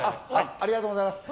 ありがとうございます。